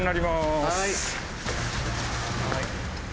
はい。